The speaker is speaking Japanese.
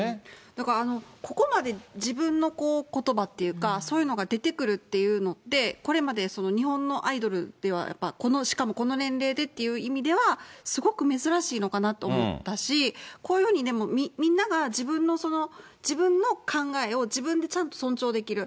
だから、ここまで自分のことばっていうか、そういうのが出てくるっていうのって、これまで日本のアイドルでは、やっぱ、この、しかも年齢でという意味では、すごく珍しいのかなと思ったし、こういうふうにみんなが自分の、自分の考えを自分でちゃんと尊重できる。